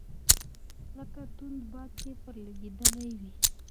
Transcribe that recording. لکه توند باد چي پر لګېدلی وي .